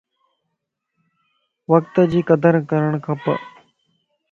وقت جي قدر ڪرڻ کپ